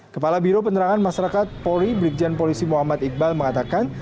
kepala biro penerangan masyarakat polri brigjen polisi muhammad iqbal mengatakan